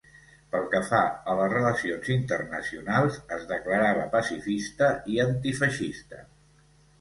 Pel que fa a les relacions internacionals, es declarava pacifista i antifeixista.